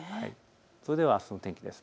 それではあすの天気です。